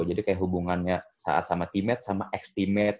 jadi kayak hubungannya saat sama teammate sama ex teammate